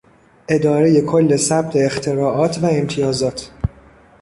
ادارهی کل ثبت اختراعات و امتیازات